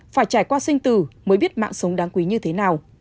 phải trải qua sinh tử mới biết mạng sống đáng quý như thế nào